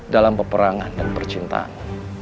dalam peperangan dan percintaan